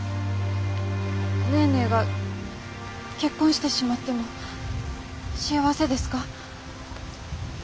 ネーネーが結婚してしまっても幸せですか？